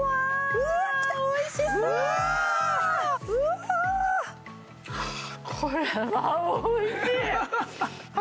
うわおいしいなあ！